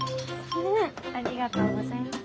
ありがとうございます。